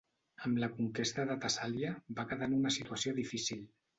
Amb la conquesta de Tessàlia va quedar en una situació difícil.